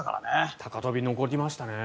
高跳び、残りましたね。